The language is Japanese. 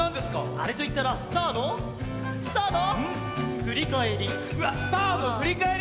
あれといったらスターのスターのふりかえり。